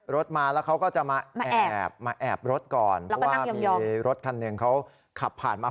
รถมาแล้วเขาก็จะมามาแอบมาแอบรถก่อนเราก็นั่งยอมยอมเพราะว่ามีรถคันหนึ่งเขาขับผ่านมา